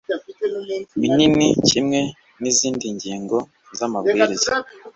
minini kimwe n izindi ngingo z amabwiriza